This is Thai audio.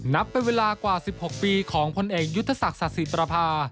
นับเป็นเวลากว่า๑๖ปีของพลเอกยุทธศักดิ์ศาสิประพา